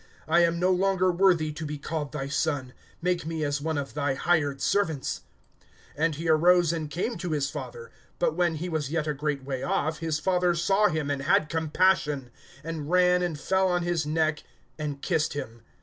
(19)I am no longer worthy to be called thy son; make me as one of thy hired servants. (20)And he arose, and came to his father. But when he was yet a great way off, his father saw him and had compassion, and ran and fell on his neck, and kissed him.